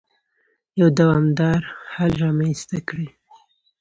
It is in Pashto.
يو دوامدار حل رامنځته کړي.